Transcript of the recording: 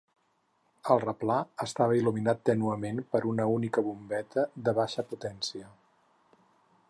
El replà estava il·luminat tènuement per una única bombeta de baixa potència.